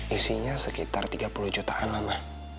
isinya sekitar tiga puluh jutaan lah mbak